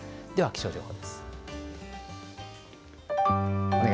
では気象情報です。